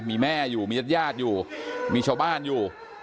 มีแม่อยู่มีญาติญาติอยู่มีชาวบ้านอยู่